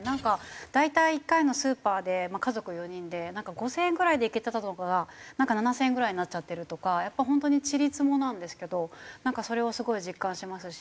大体一回のスーパーで家族４人で５０００円ぐらいでいけてたところがなんか７０００円ぐらいになっちゃってるとかやっぱりホントにちりつもなんですけどそれはすごい実感しますし。